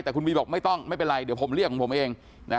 แต่คุณบีบอกไม่ต้องไม่เป็นไรเดี๋ยวผมเรียกของผมเอง